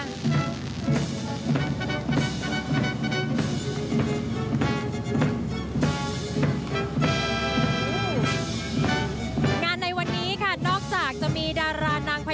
งานในวันนี้ค่ะนอกจากจะมีดารานาง